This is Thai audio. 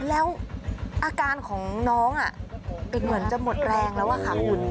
อาการของน้องเป็นเหมือนจะหมดแรงแล้วด้วยค่ะ